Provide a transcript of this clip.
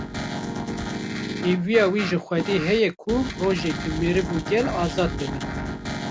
Hêviya wî ji Xwedî heye ku rojeke meriv û gel azad bibin